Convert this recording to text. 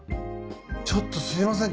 ちょっとすいません。